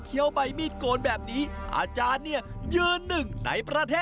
ต้องต่อ